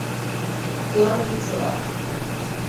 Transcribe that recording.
格雷泽。